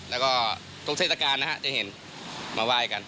แล้วก็ตรงเศรษฐการณ์นะครับจะเห็นมาไหว้กัน